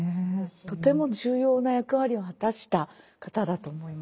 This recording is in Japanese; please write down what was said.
とても重要な役割を果たした方だと思います。